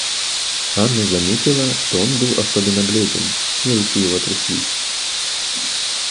Анна заметила, что он был особенно бледен, и руки его тряслись.